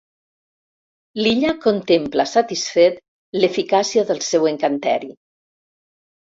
L'Illa contempla satisfet l'eficàcia del seu encanteri.